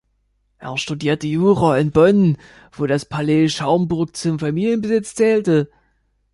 Er studierte Jura in Bonn, wo das Palais Schaumburg zum Familienbesitz zählte.